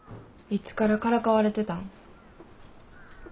いつからからかわれてたん？